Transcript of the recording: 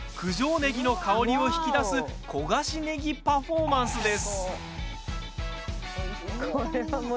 ネギの香りを引き出す焦がしネギパフォーマンスです。